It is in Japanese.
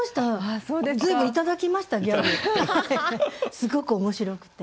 すごく面白くて。